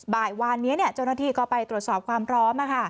บ่ายวานนี้เจ้าหน้าที่ก็ไปตรวจสอบความพร้อม